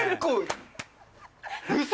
ウソ！